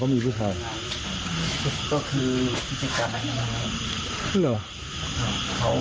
เขาไปหลายทางแล้ว